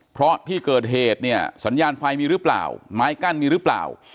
เพราะที่เกิดเหตุเนี่ยสัญญาณไฟมีหรือเปล่าไม้กั้นมีหรือเปล่า